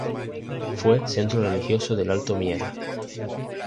Fue centro religioso del alto Miera.